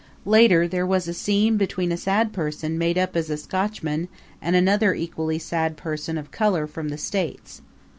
Later there was a scene between a sad person made up as a Scotchman and another equally sad person of color from the States.